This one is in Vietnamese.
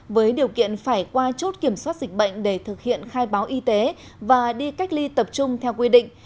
với điều kiện phải qua chốt kiểm soát dịch bệnh để thực hiện khai báo y tế và đi cách ly tập trung theo quy định